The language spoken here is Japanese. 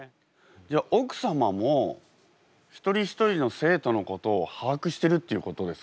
じゃあ奥様も一人一人の生徒のことを把握してるっていうことですか？